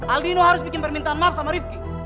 aldino harus bikin permintaan maaf sama rifki